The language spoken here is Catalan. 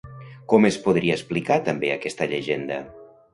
Com es podria explicar també aquesta llegenda?